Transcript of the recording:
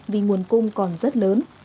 vì nguồn cung còn rất lớn